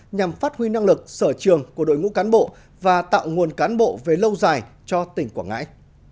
nhằm phát huy năng lực sở trường của đội ngũ cán bộ và tạo nguồn cán bộ về lâu dài cho tỉnh quảng ngãi